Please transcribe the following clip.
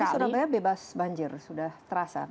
jadi surabaya bebas banjir sudah terasa